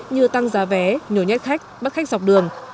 như tăng giá vé nhồi nhét khách bắt khách dọc đường